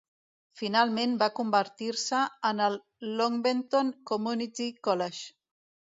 Finalment va convertir-se en el Longbenton Community College.